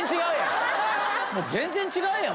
全然違うやん。